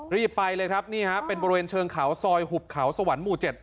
รีบไปเลยครับนี่ฮะเป็นบริเวณเชิงเขาซอยหุบเขาสวรรค์หมู่๗